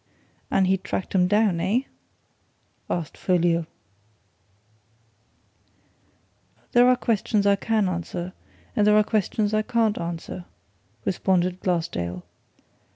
"And he'd tracked 'em down, eh?" asked Folliot. "There are questions I can answer, and there are questions I can't answer," responded Glassdale.